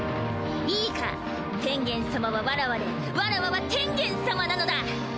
いいか天元様はわらわでわらわは天元様なのだ！